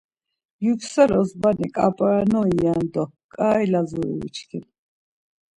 Yuksel Ozbani Ǩamp̌arnori ren do ǩai Lazuri uçkin.